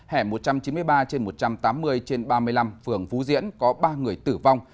hẻ một trăm chín mươi ba trên một trăm tám mươi trên ba mươi năm phường phú diễn có ba người tử vong